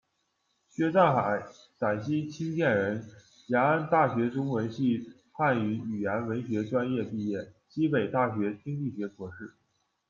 薛占海，陕西清涧人；延安大学中文系汉语言文学专业毕业，西北大学经济学博士。